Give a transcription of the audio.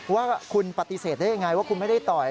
ว่าคุณปฏิเสธได้ยังไงว่าคุณไม่ได้ต่อย